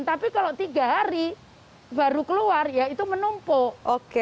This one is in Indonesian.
tapi kalau tiga hari baru keluar ya itu menumpuk